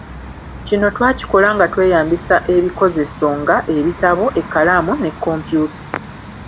Kino twakikola nga tweyambisa ebikozeso nga; ebitabo, ekkalaamu ne kkompyuta.